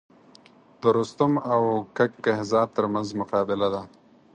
د رستم او کک کهزاد تر منځ مقابله ده.